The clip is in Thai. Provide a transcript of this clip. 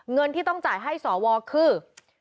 เงินที่ต้องจ่ายให้สวคือ